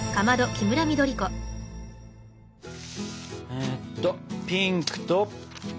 えっとピンクと緑。